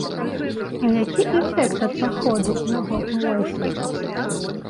А які эфект ад паходу на год у войска?